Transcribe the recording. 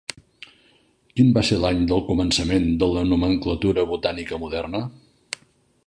Quin va ser l'any del començament de la nomenclatura botànica moderna?